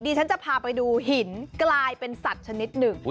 ฉันจะพาไปดูหินกลายเป็นสัตว์ชนิดหนึ่ง